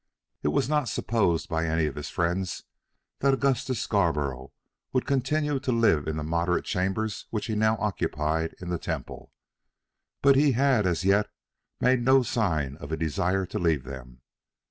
It was not supposed by any of his friends that Augustus Scarborough would continue to live in the moderate chambers which he now occupied in the Temple; but he had as yet made no sign of a desire to leave them.